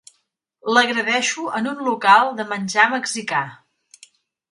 L'agredeixo en un local de menjar mexicà.